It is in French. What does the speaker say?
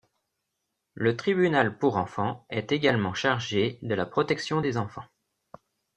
Le tribunal pour enfant est également chargé de la protection des enfants.